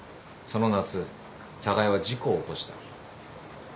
その夏寒河江は事故を起こした。